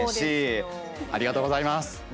ありがとうございます。